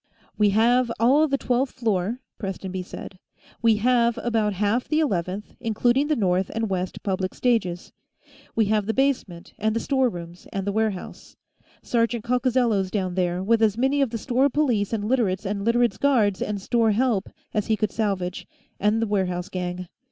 "We have all the twelfth floor," Prestonby said. "We have about half the eleventh, including the north and west public stages. We have the basement and the storerooms and the warehouse Sergeant Coccozello's down there, with as many of the store police and Literates and Literates' guards and store help as he could salvage, and the warehouse gang.